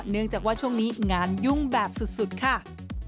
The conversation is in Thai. เนื่องจากว่าช่วงนี้งานยุ่งแบบสุดค่ะ